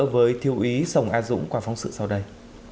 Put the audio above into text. với thiếu ý sòng a dũng qua phóng sự sau đây